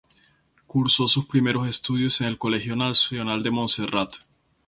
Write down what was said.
Cursó sus primeros estudios en el Colegio Nacional de Monserrat.